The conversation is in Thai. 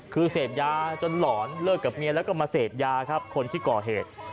คือเสพยาจนหลอนเลิกกับเมียแล้วก็มาเสพยาครับคนที่ก่อเหตุ